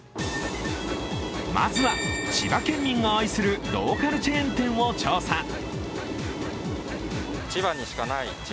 まずは千葉県民が愛するローカルチェーン店を調査。